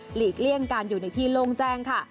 ลีกเลี่ยงการอยู่ในที่โล่งแจ้งค่ะ